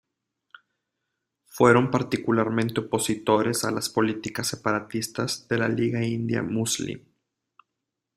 Fueron particularmente opositores a las políticas separatistas de la Liga India Muslim.